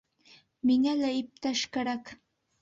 Миңә лә иптәш кәрәк...